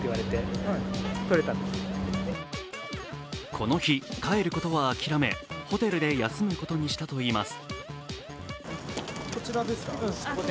この日、帰ることは諦め、ホテルで休むことにしたといいます。